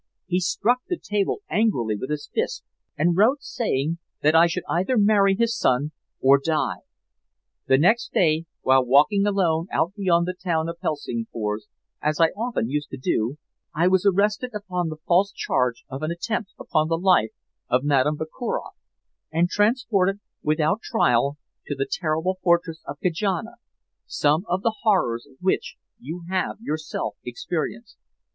He struck the table angrily with his fist and wrote saying that I should either marry his son or die. Then next day, while walking alone out beyond the town of Helsingfors, as I often used to do, I was arrested upon the false charge of an attempt upon the life of Madame Vakuroff and transported, without trial, to the terrible fortress of Kajana, some of the horrors of which you have yourself experienced.